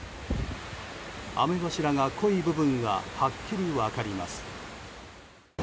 雨柱の濃い部分がはっきり分かります。